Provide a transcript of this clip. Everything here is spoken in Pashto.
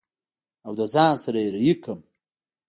او له ځان سره يې رهي کړم.